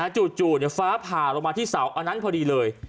จู่ฟ้าผ่าลงมาที่เสาอันนั้นพอดีเลย